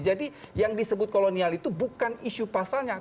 yang disebut kolonial itu bukan isu pasalnya